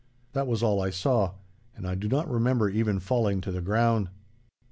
That was all I saw, and I do not remember even falling to the ground.